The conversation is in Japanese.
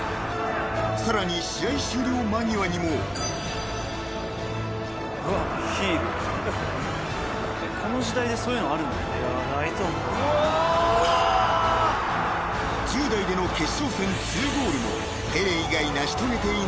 ［さらに試合終了間際にも］［１０代での決勝戦２ゴールもペレ以外成し遂げていない偉業］